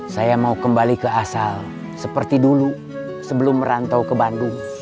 saya mau kembali ke asal seperti dulu sebelum merantau ke bandung